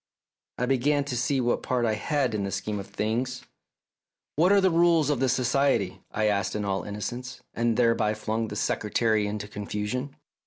I began to see what part I had in the scheme of things. "What are the rules of the Society?" I asked in all innocence, and thereby flung the Secretary into confusion.